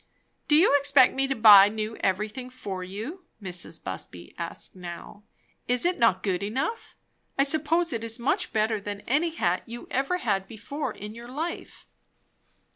"Do you expect me to buy new everything for you?" Mrs. Busby asked now. "Is it not good enough? I suppose it is much better than any hat you ever had before in your life."